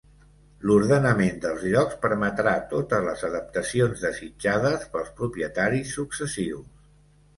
L'ordenament dels llocs permetrà totes les adaptacions desitjades pels propietaris successius.